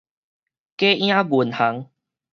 假影銀行